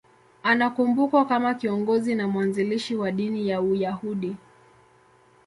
Anakumbukwa kama kiongozi na mwanzilishi wa dini ya Uyahudi.